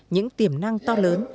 những tiềm năng to lớn